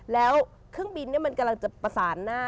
แล้วเครื่องบินมันกำลังจะประสานหน้า